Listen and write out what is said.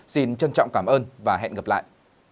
xin trân trọng cảm ơn và hẹn gặp lại